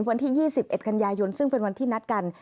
วันที่๒๑กันยายนซึ่งเป็นวันที่นัดกัน